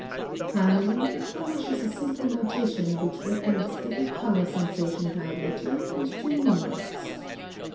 Finally, it furnishes a simple notation which records every color sensation by a letter and two numerals.